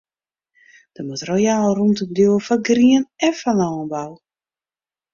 Der moat royaal rûmte bliuwe foar grien en foar lânbou.